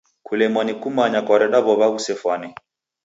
Kulemwa ni kumanya kwareda w'ow'a ghusefwane.